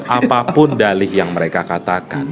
apapun dalih yang mereka katakan